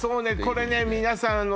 これね皆さん